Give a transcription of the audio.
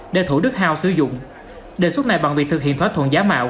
để thủ đức house sử dụng đề xuất này bằng việc thực hiện thỏa thuận giá mạo